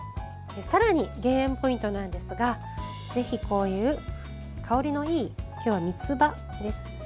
さらに減塩ポイントなんですがぜひこういう、香りのいい今日は三つ葉です。